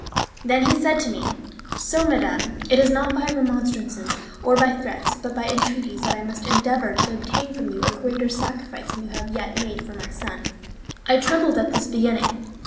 Then he said to me: "So, madame, it is not by remonstrances or by threats, but by entreaties, that I must endeavour to obtain from you a greater sacrifice than you have yet made for my son." I trembled at this beginning.